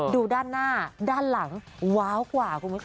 ดูด้านหน้าด้านหลังว้าวกว่าคุณผู้ชม